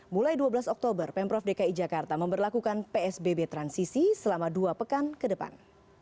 mulai dua belas oktober pemprov dki jakarta memperlakukan psbb transisi selama dua pekan ke depan